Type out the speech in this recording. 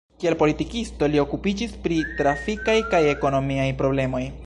Kiel politikisto li okupiĝis pri trafikaj kaj ekonomiaj problemoj.